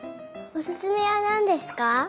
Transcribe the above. おすすめはなんですか？